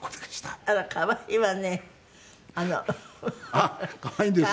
あっ可愛いんですよ。